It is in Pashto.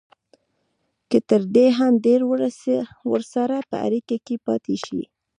که تر دې هم ډېر ورسره په اړیکه کې پاتې شي